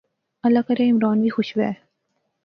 اللہ کرے عمران وی خوش وہے